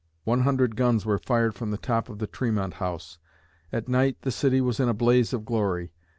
One hundred guns were fired from the top of the Tremont House. At night the city was in a blaze of glory.